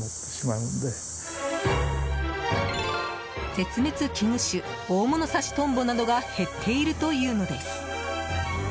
絶滅危惧種オオモノサシトンボなどが減っているというのです。